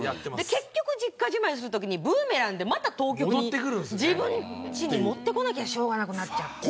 結局、実家じまいするときにブーメランでまた東京に、自分ちに持ってこなければしょうがなくなっちゃって。